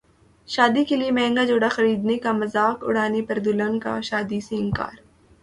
شادی کیلئے مہنگا جوڑا خریدنے کا مذاق اڑانے پر دلہن کا شادی سے انکار